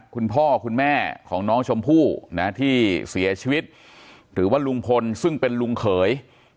คุณพ่อคุณแม่ของน้องชมพู่นะที่เสียชีวิตหรือว่าลุงพลซึ่งเป็นลุงเขย